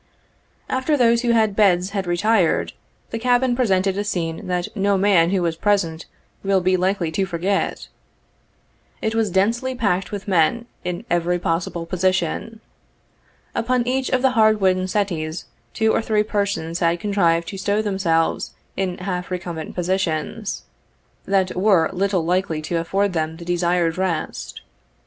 After those who had beds had retired, the cabin presented a scene that no man who was present will be likely to forget. It was densely packed with men, in every possible position. Upon each of the hard wooden settees two or three persons had contrived to stow them selves in half recumbent positions, that were little likely to afford them the desired rest.